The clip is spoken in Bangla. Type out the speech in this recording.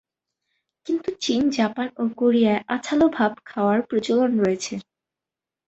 কিন্তু চীন জাপান ও কোরিয়ায় আঠালো ভাব খাওয়ার প্রচলন রয়েছে।